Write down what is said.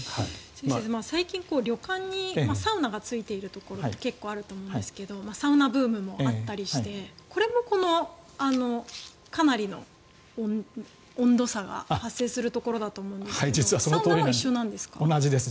先生、最近旅館にサウナがついているところ結構あると思うんですがサウナブームもあったりしてこれもかなりの温度差が発生するところだと思うんですがサウナも一緒なんですか？